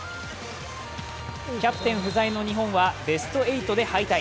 キャプテン不在の日本はベスト８で敗退。